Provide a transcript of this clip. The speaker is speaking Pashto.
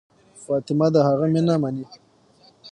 فاطمه د هغه مینه مني.